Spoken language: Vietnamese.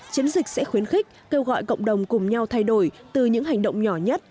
chiến dịch sẽ khuyến khích kêu gọi cộng đồng cùng nhau thay đổi từ những hành động nhỏ nhất